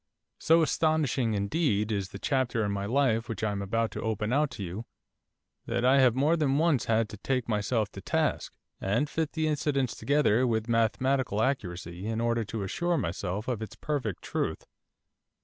So astonishing, indeed, is the chapter in my life which I am about to open out to you, that I have more than once had to take myself to task, and fit the incidents together with mathematical accuracy in order to assure myself of its perfect truth.